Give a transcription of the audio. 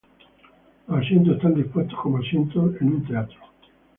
Los asientos están dispuestos como asientos de en un teatro.